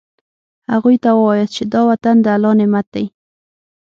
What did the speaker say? هغوی ته ووایاست چې دا وطن د الله نعمت دی.